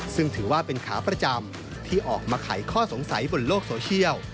ซึ่งถือว่าเป็นขาประจำที่ออกมาไขข้อสงสัยบนโลกโซเชียล